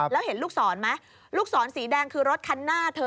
แล้วเห็นลูกศรไหมลูกศรสีแดงคือรถคันหน้าเธอ